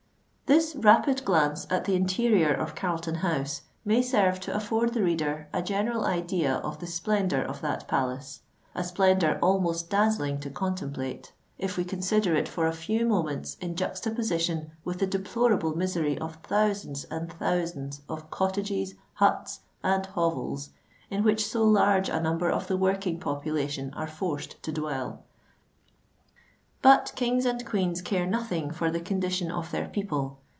This rapid glance at the interior of Carlton House may serve to afford the reader a general idea of the splendour of that palace,—a splendour almost dazzling to contemplate, if we consider it for a few moments in juxta position with the deplorable misery of thousands and thousands of cottages, huts, and hovels in which so large a number of the working population are forced to dwell! But kings and queens care nothing for the condition of their people.